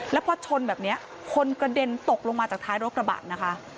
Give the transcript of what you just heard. แล้วพอชนแบบนี้คนกระเด็นตกลงมาจากท้ายรถกระบะนะคะ